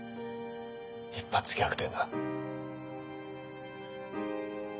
一発逆転だ。